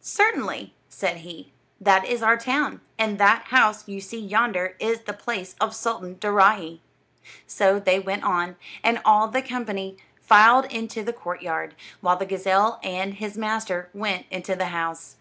"Certainly," said he; "that is our town, and that house you see yonder is the palace of Sultan Daaraaee." So they went on, and all the company filed into the courtyard, while the gazelle and his master went into the house.